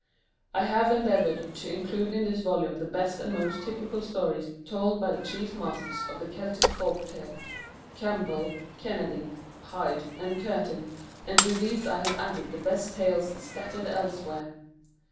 I have endeavoured to include in this volume the best and most typical stories told by the chief masters of the Celtic folk tale, Campbell, Kennedy, Hyde, and Curtin, and to these I have added the best tales scattered elsewhere.